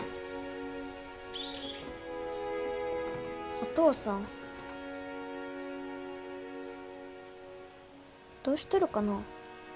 お父さんどうしとるかな。